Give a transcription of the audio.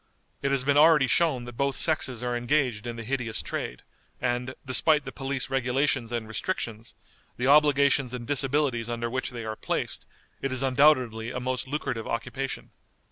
It has been already shown that both sexes are engaged in the hideous trade, and, despite the police regulations and restrictions, the obligations and disabilities under which they are placed, it is undoubtedly a most lucrative occupation.